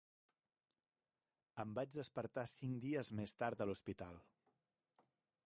Em vaig despertar cinc dies més tard a l'hospital.